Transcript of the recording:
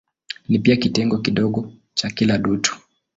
Ni pia kitengo kidogo cha kila dutu.